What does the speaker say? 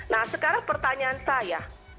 nah sekarang pertanyaan saya